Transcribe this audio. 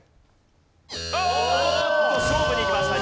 おっと勝負にいきました。